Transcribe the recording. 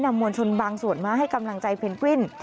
มวลชนบางส่วนมาให้กำลังใจเพนกวิน